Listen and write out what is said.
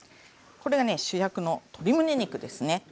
これがね主役の鶏むね肉ですね。